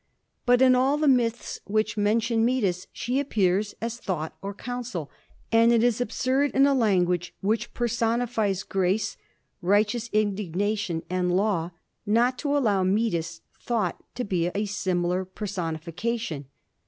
But in all the myths which mention Metis, she appears as Thought or Counsel, and it is absurd in a language which personifies grace, righteous indignation, and law not to allow Metis (Thought) to be a similar personification.